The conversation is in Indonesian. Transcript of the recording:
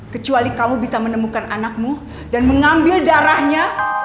kecuali kamu bisa menemukan anakmu dan mengambil darahnya